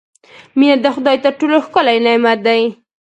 • مینه د خدای تر ټولو ښکلی نعمت دی.